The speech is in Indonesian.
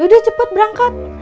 yaudah cepet berangkat